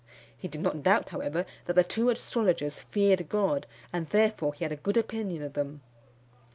He did not doubt, however, that the two astrologers feared God, and therefore he had a good opinion of them.